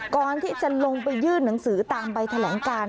ก่อนที่จะลงไปยื่นหนังสือตามใบแถลงการ